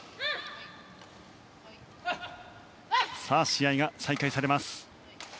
試合が再開されます。